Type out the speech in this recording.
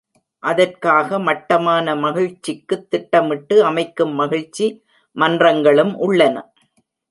அதற்காக மட்டமான மகிழ்ச்சிக்குத் திட்டமிட்டு அமைக்கும் மகிழ்ச்சி மன்றங்களும் உள்ளன.